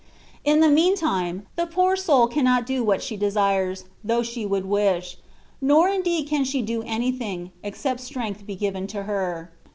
In the mean time, the poor soul cannot do what she desires, though she would wish; nor indeed can she do anything, except strength be given to her.